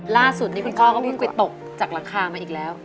ล่าสุดข้อสุดอยู่ที่หายก็พี่ก้นคอยตกจากราคามาอีกแล้ว